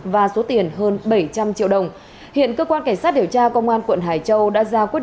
và số tiền hơn bảy trăm linh triệu đồng hiện cơ quan cảnh sát điều tra công an quận hải châu đã ra quyết